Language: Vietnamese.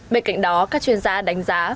bên cạnh đó các chuyên gia đánh giá